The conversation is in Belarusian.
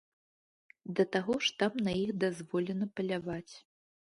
Да таго ж там на іх дазволена паляваць.